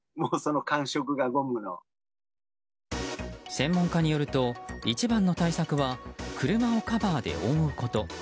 専門家によると、一番の対策は車をカバーで覆うこと。